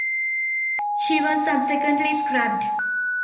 She was subsequently scrapped.